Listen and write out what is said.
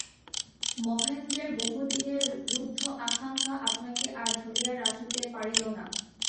মহেন্দ্রের বহুদিনের রুদ্ধ আকাঙ্ক্ষা আপনাকে আর ধরিয়া রাখিতে পারিল না।